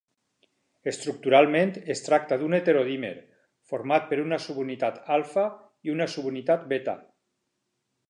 Estructuralment es tracta d'un heterodímer, format per una subunitat alfa i una subunitat beta.